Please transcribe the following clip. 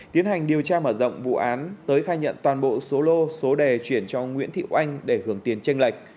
tiến hành điều tra mở rộng vụ án tới khai nhận toàn bộ số lô số đề chuyển cho nguyễn thị oanh để hưởng tiền tranh lệch